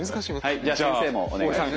はいじゃあ先生もお願いします。